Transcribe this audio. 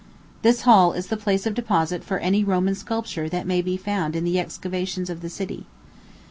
This hall is the place of deposit for any Roman sculpture that may be found in the excavations of the city.